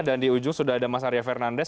dan di ujung sudah ada mas arya fernandes